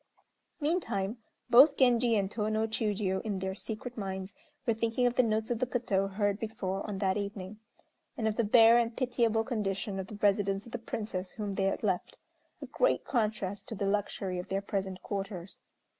Meantime, both Genji and Tô no Chiûjiô, in their secret minds, were thinking of the notes of the koto heard before on that evening, and of the bare and pitiable condition of the residence of the Princess whom they had left a great contrast to the luxury of their present quarters.